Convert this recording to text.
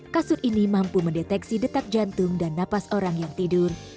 kasur ini mampu mendeteksi detak jantung dan napas orang yang tidur